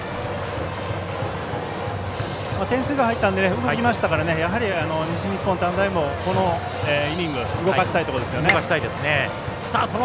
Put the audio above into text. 点数が入ったので動きましたからねやはり西日本短大もこのイニング動かしたいところですよね。